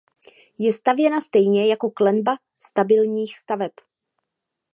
Je stavěna stejně jako klenba stabilních staveb.